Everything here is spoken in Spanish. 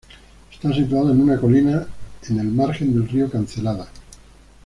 Está situado en una colina en el margen del río Cancelada.